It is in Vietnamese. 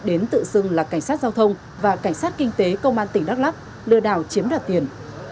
đến tự xưng là cảnh sát giao thông và cảnh sát kinh tế công an tp hcm lừa đảo chiếm đoạt tiền